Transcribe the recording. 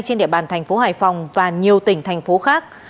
trên địa bàn thành phố hải phòng và nhiều tỉnh thành phố khác